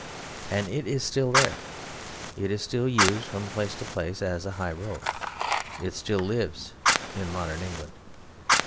And it is still there; it is still used from place to place as a high road, it still lives in modern England.